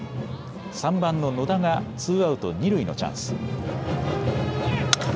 ３番の野田がツーアウト二塁のチャンス。